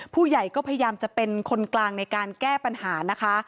ผู้ใหญ่ก็พยายามจะเป็นคนกลางในการแก้ปัญหานะคะ